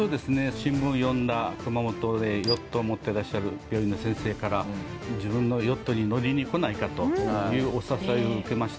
新聞を読んだ熊本でヨットを持ってらっしゃる病院の先生から自分のヨットに乗りに来ないか？というお誘いを受けまして。